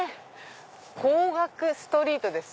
光学ストリートです。